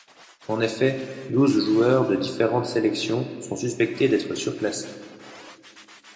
En effet, douze joueurs de différentes sélections sont suspectés d'être surclassés.